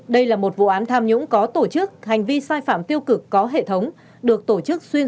đây là một vụ án tham nhũng có tổ chức hành vi sai phạm tiêu cực có hệ thống được tổ chức xuyên